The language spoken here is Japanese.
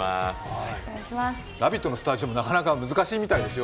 「ラヴィット！」のスタジオもなかなか難しいみたいですよ。